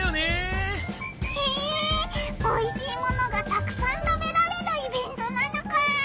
へえおいしいものがたくさん食べられるイベントなのか！